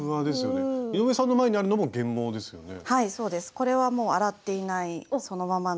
これはもう洗っていないそのままの。